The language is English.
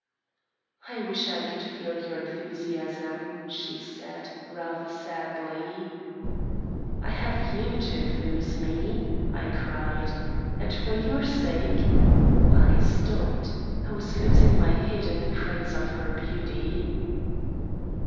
"I wish I could feel your enthusiasm," she said, rather sadly. "I have you to enthuse me," I cried. "And for your sake " I stopped, I was losing my head in the craze of her beauty.